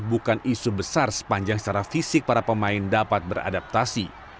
bukan isu besar sepanjang secara fisik para pemain dapat beradaptasi